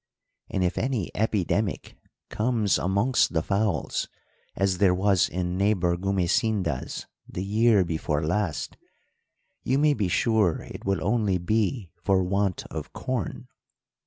And if any epidemic comes amongst the fowls as there was in neighbour Gumesinda's the year before last, you may be sure it will only be for want of corn.